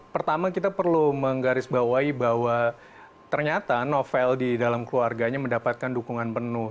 pertama kita perlu menggarisbawahi bahwa ternyata novel di dalam keluarganya mendapatkan dukungan penuh